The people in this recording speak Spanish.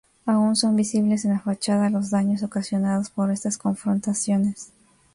Aún son visibles en la fachada los daños ocasionados por estas confrontaciones.